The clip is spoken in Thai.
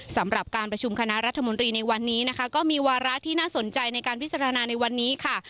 สำหรับการประชุมคณะรัฐมนตรีในวันนี้นะคะก็มีวาระที่น่าสนใจในการพิจารณาในวันนี้ค่ะ